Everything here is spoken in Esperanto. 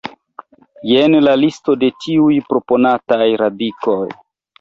Jen la listo de tiuj proponataj radikoj.